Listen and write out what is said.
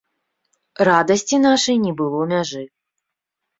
Радасці нашай не было мяжы.